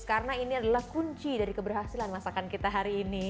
karena ini adalah kunci dari keberhasilan masakan kita hari ini